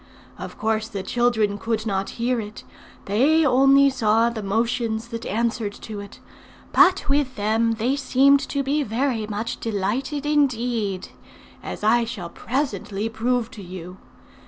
Of course the children could not hear it; they only saw the motions that answered to it; but with them they seemed to be very much delighted indeed, as I shall presently prove to you.